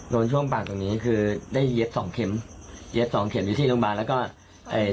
ช่วงปากตรงนี้คือได้เย็บสองเข็มเย็บสองเข็มอยู่ที่โรงพยาบาลแล้วก็เอ่อ